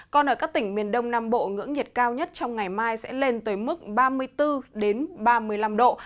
còn ở các tỉnh miền đông nam bộ ngưỡng nhiệt cao nhất trong ngày mai sẽ lên tới mức ba mươi bốn ba mươi năm độ